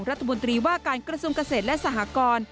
รัฐมนตรีว่าการกระทรวงเกษตรและสหกร